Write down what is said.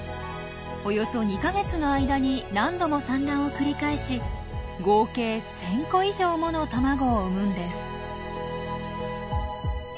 およそ２か月の間に何度も産卵を繰り返し合計１，０００個以上もの卵を産むんです。